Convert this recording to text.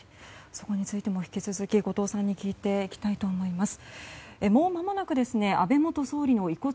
そこについても引き続き後藤さんに聞いていきたいと思います。